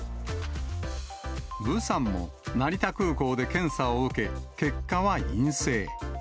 ブさんも、成田空港で検査を受け、結果は陰性。